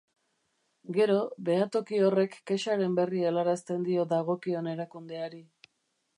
Gero, Behatoki horrek kexaren berri helarazten dio dagokion erakundeari.